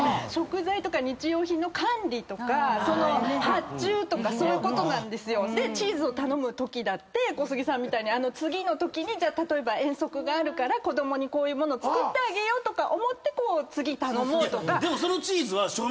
発注とかそういうことなんですよでチーズを頼むときだって小杉さんみたいに次のときに例えば遠足があるから子供にこういうもの作ってあげようとか思って次頼もうとか。